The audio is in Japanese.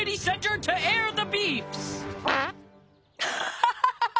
ハハハハ。